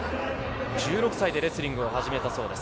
１６歳でレスリングを始めたそうです。